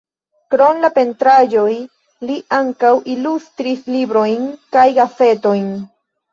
Krom la pentraĵoj li ankaŭ ilustris librojn kaj gazetojn.